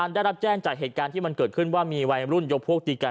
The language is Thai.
ได้รับแจ้งจากเหตุการณ์ที่มันเกิดขึ้นว่ามีวัยรุ่นยกพวกตีกัน